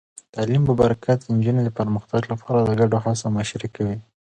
د تعلیم په برکت، نجونې د پرمختګ لپاره د ګډو هڅو مشري کوي.